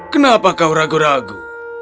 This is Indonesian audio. kenapa kau ragu ragu